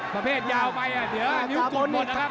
ประเภทยาวไปเดี๋ยวนิ้วกดหมดนะครับ